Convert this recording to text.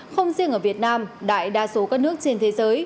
không riêng ở việt nam đại đa số các nước trên thế giới